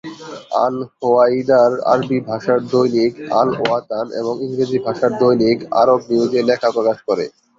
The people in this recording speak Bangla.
আল-হুয়াইদার আরবি ভাষার দৈনিক "আল-ওয়াতান" এবং ইংরেজি ভাষার দৈনিক "আরব নিউজে লেখা প্রকাশ করে"।